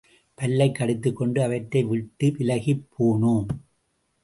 பல்லைக் கடித்துக்கொண்டு அவற்றை விட்டு விலகிப்போனோம்.